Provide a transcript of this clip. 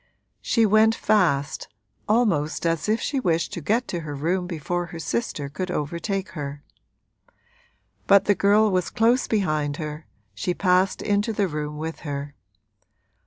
She went fast, almost as if she wished to get to her room before her sister could overtake her. But the girl was close behind her, she passed into the room with her.